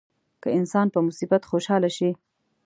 که انسان په مصیبت خوشاله شي.